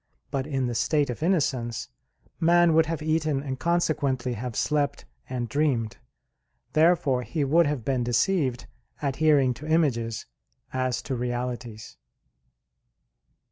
But in the state of innocence man would have eaten and consequently have slept and dreamed. Therefore he would have been deceived, adhering to images as to realities.